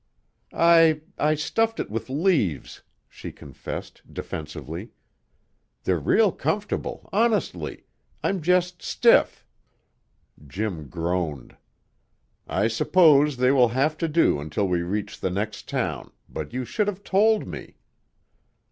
"I I stuffed it with leaves," she confessed, defensively. "They're real comfortable, honestly. I'm just stiff " Jim groaned. "I suppose they will have to do until we reach the next town, but you should have told me."